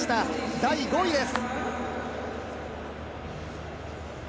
第５位です。